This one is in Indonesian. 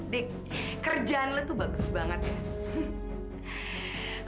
di kerjaan lu tuh bagus banget ya